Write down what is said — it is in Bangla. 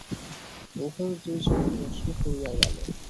উভয়ের দুই চক্ষু বাষ্পে পূরিয়া গেল।